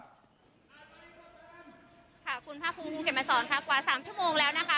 คุณภาคภูมิเข็มมาสอนครับกว่า๓ชั่วโมงแล้วนะคะ